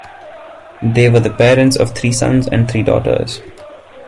They were the parents of three sons and three daughters.